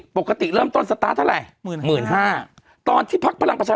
ปกติเริ่มต้นสตาร์ทเท่าไหร่หมื่นห้าตอนที่พักพลังประชา